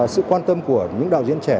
sự quan tâm của những đạo diễn trẻ